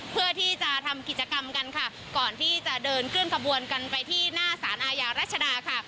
เพื่อที่จะทำกิจกรรมกันค่ะก่อนที่จะเดินเคลื่อนขบวนกันไปที่หน้าสารอาญารัชดาค่ะ